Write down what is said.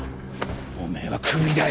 おめぇはクビだよ。